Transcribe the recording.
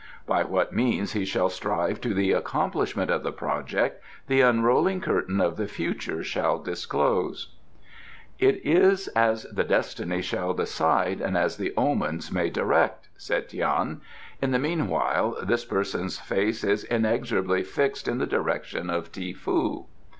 By what means he shall strive to the accomplishment of the project the unrolling curtain of the future shall disclose." "It is as the destinies shall decide and as the omens may direct," said Tian. "In the meanwhile this person's face is inexorably fixed in the direction of Ti foo."